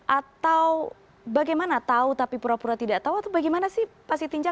atau bagaimana tahu tapi pura pura tidak tahu atau bagaimana sih pak sitinja